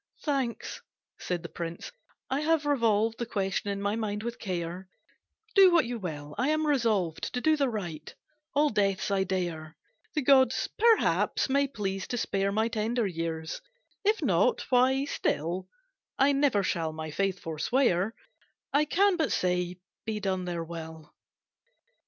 "Thanks," said the prince, "I have revolved The question in my mind with care, Do what you will, I am resolved, To do the right, all deaths I dare. The gods, perhaps, may please to spare My tender years; if not, why, still I never shall my faith forswear, I can but say, be done their will."